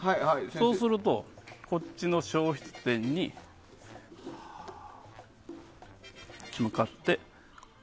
そうするとこっちの消失点に向かって。